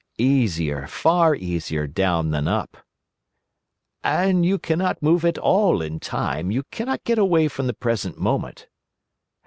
"Easier, far easier down than up." "And you cannot move at all in Time, you cannot get away from the present moment."